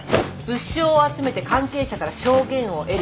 物証を集めて関係者から証言を得る。